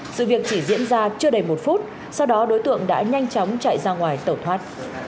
sự việc chỉ diễn ra chưa đầy một phút sau đó đối tượng đã nhanh chóng chạy ra ngoài tẩu thoát